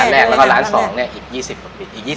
แล้วก็ร้านสองเนี่ยอีก๒๐ปี